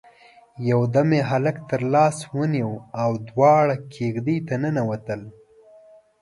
يودم يې هلک تر لاس ونيو او دواړه کېږدۍ ته ننوتل.